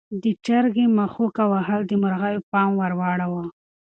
د چرګې مښوکه وهل د مرغیو پام ور واړاوه.